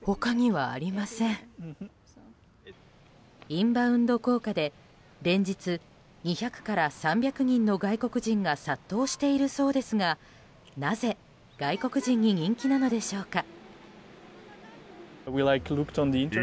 インバウンド効果で、連日２００から３００人の外国人が殺到しているそうですが、なぜ外国人に人気なのでしょうか。